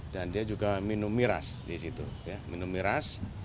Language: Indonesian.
dan dia juga minum miras di situ ya minum miras